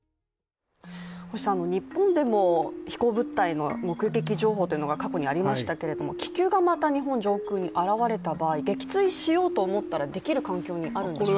日本でも飛行物体の目撃情報というのが過去にありましたけれども気球がまた日本上空に現れた場合撃墜しようと思ったらできる環境にあるんでしょうか？